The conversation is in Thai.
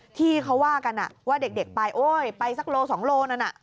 อ่ะที่เขาว่ากันว่าเด็กไปไปซักโล๒โลนั้น